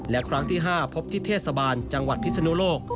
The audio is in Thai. และครั้งที่๕พบที่เทศบาลจังหวัดพิศนุโลก